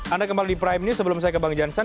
anda kembali di prime news sebelum saya ke bang jansen